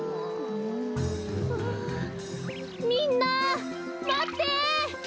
ああみんなまって！